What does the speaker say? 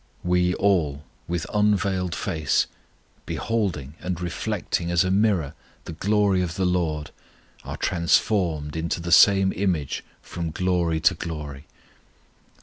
"We all, with unveiled face [beholding and] reflecting as a mirror the glory of the LORD, are transformed into the same image from glory to glory [_i.